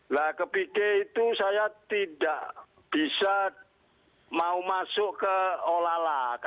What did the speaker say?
lah ke pike itu saya tidak bisa mau masuk ke olala